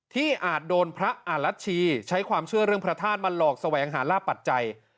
อาจโดนพระอารัชชีใช้ความเชื่อเรื่องพระธาตุมาหลอกแสวงหาลาบปัจจัย